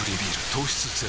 糖質ゼロ